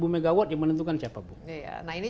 mw yang menentukan siapa bu nah ini